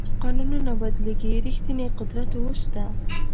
قانونونه بدلېږي ریښتینی قدرت اوس شته.